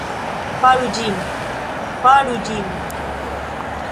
Faru ĝin. Faru ĝin.